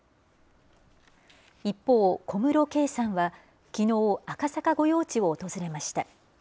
一方、小室圭さんは、きのう、赤坂御用地を訪れました。